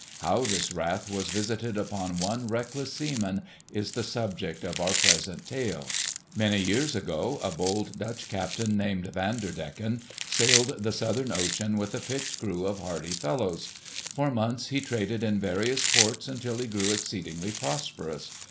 How this wrath was visited upon one reckless seaman is the subject of our present tale. Many years ago a bold Dutch captain named Vanderdecken sailed the Southern ocean with a picked crew of hardy fellows. For months he traded in various ports until he grew exceedingly prosperous.